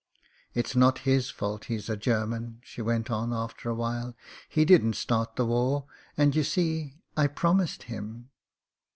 ''It's not his fault he's a German/' she went on after a while. "He didn't start the war — ^and, you see, I promised him."